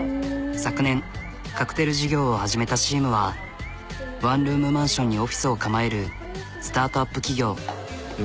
昨年カクテル事業を始めたはワンルームマンションにオフィスを構えるスタートアップ企業。